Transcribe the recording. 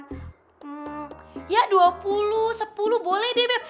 hmm ya dua puluh sepuluh boleh deh bep